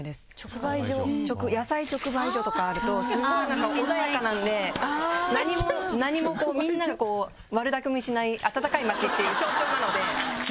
野菜直売所とかあるとスゴいなんか穏やかなんで何もこうみんなが悪だくみしない温かい街っていう象徴なので。